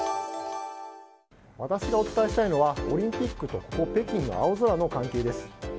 私がお伝えしたいのはオリンピックとここ、北京の青空の関係です。